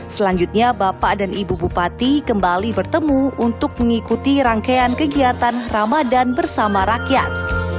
selanjutnya bapak dan ibu bupati kembali bertemu untuk mengikuti rangkaian kegiatan ramadan bersama rakyat